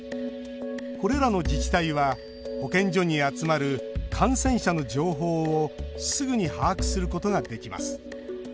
これらの自治体は保健所に集まる感染者の情報をすぐに把握することができます。